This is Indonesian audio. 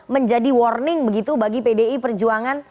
menjadi warning begitu bagi pdi perjuangan